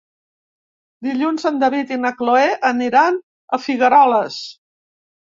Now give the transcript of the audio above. Dilluns en David i na Cloè aniran a Figueroles.